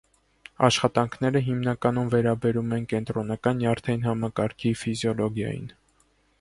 Աշխատանքները հիմնականում վերաբերում են կենտրոնական նյարդային համակարգի ֆիզիոլոգիային։